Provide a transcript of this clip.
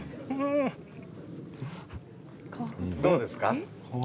どうですか。